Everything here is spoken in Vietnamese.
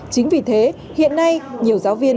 chính vì thế hiện nay nhiều giáo viên